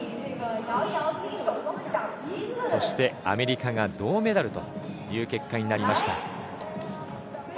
アメリカが銅メダルという結果になりました。